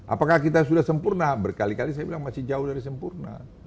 apakah kita sudah sempurna berkali kali saya bilang masih jauh dari sempurna